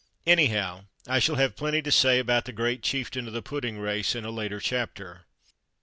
Anyhow I shall have plenty to say about the "great chieftain o' the puddin' race" in a later chapter.